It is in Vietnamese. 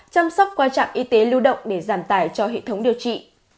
chăm sóc quan trạng y tế lưu động để giảm tải cho hệ thống điều trị